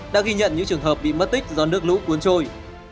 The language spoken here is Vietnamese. đã ghi nhận những trường hợp bị mất tích do nước lũ cuốn trôi